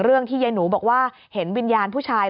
ที่ยายหนูบอกว่าเห็นวิญญาณผู้ชาย